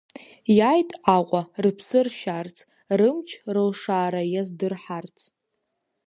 Иааит Аҟәа рыԥсы ршьарц, рымч-рылшара иаздырҳарц.